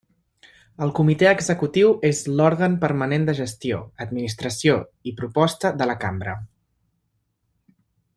El Comitè Executiu és l'òrgan permanent de gestió, administració i proposta de la Cambra.